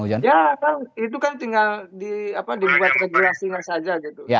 ya kan itu kan tinggal dibuat regulasinya saja gitu